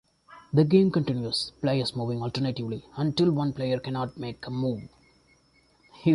The game continues, players moving alternately, until one player cannot make a move.